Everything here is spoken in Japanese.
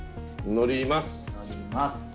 乗ります。